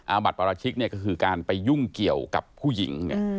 อาบัดปราชิกก็คือการไปยุ่งเกี่ยวกับผู้หญิง